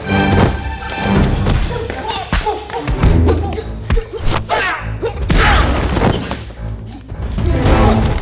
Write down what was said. kenapa mereka mau nyakitin bella